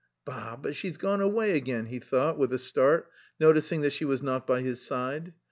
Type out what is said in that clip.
"Bah, but she's gone away again," he thought, with a start, noticing that she was not by his side.